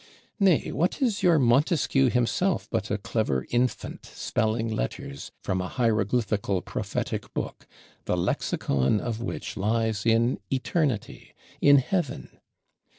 Nay, what is your Montesquieu himself but a clever infant spelling Letters from a hieroglyphical prophetic Book, the lexicon of which lies in Eternity, in Heaven?